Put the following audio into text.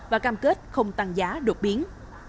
và cam kết không tăng giá đột biến